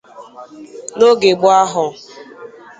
N'oge gboo ahụ